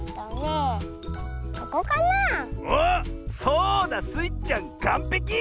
そうだスイちゃんかんぺき！